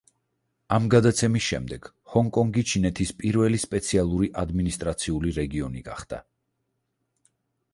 ამ გადაცემის შემდეგ ჰონგ-კონგი ჩინეთის პირველი სპეციალური ადმინისტრაციული რეგიონი გახდა.